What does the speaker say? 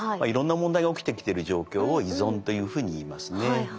いろんな問題が起きてきてる状況を依存というふうに言いますね。